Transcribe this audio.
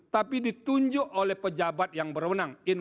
tapi ditunjuk oleh pejabat yang berwenang